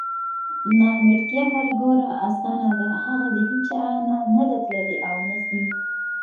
نامېړتیا هر ګوره اسانه ده هغه د هیچا نه نده تللې اونه ځي